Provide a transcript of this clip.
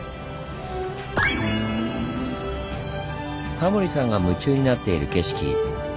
タモリさんが夢中になっている景色